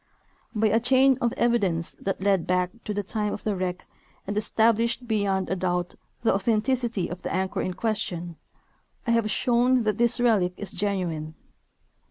By a chain of evidence that led back to the time of the wreck aiid established beyond a doubt the authenticit}^ of the anchor in question, I have shown that this relic is genuine.